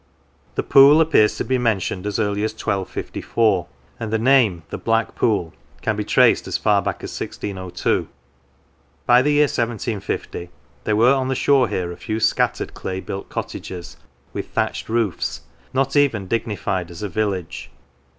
The pool appears to be mentioned as early as 1254, and the name " the Black Pool " can be traced as far back as 1602. By the year 1750 there were on the shore here a few scattered clay built cottages, with thatched roofs, not even dignified as a village.